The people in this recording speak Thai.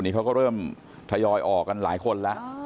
นี่เขาก็เริ่มทยอยออกกันหลายคนแล้ว